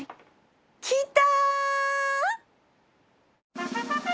きた！